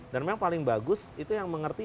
dan memang paling bagus itu yang mengerti